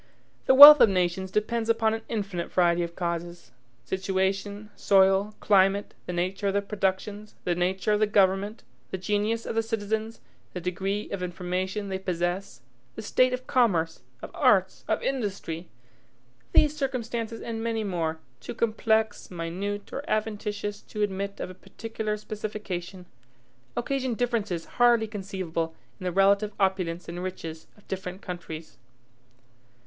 The wealth of nations depends upon an infinite variety of causes. Situation, soil, climate, the nature of the productions, the nature of the government, the genius of the citizens, the degree of information they possess, the state of commerce, of arts, of industry, these circumstances and many more, too complex, minute, or adventitious to admit of a particular specification, occasion differences hardly conceivable in the relative opulence and riches of different countries.